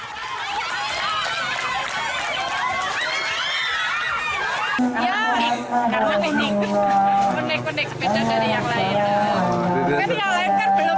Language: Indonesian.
ya karena ini konek konek sepeda dari yang lain